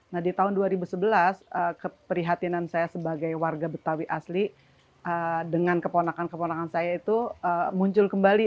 nah di tahun dua ribu sebelas keprihatinan saya sebagai warga betawi asli dengan keponakan keponakan saya itu muncul kembali